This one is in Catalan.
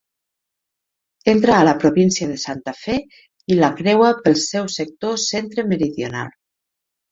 Entra a la província de Santa Fe i la creua pel seu sector centre-meridional.